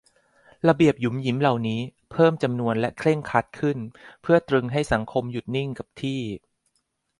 ระเบียบหยุมหยิมเหล่านี้ เพิ่มจำนวนและเคร่งครัดขึ้น เพื่อตรึงให้สังคมหยุดนิ่งกับที่